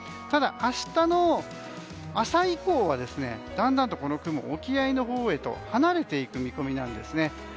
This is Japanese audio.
ただ、明日の朝以降はだんだんとこの雲は沖合のほうへと離れていく見込みです。